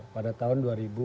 pada tahun dua ribu enam belas